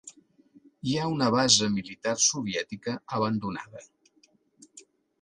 Hi ha una base militar soviètica abandonada.